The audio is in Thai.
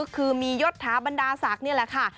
คือมียศถาบรรดาศักดิ์นี่แหละค่ะ